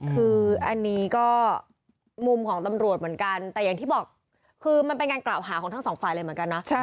คืออันนี้ก็มุมของตำรวจเหมือนกันแต่อย่างที่บอกคือมันเป็นการกล่าวหาของทั้งสองฝ่ายเลยเหมือนกันนะ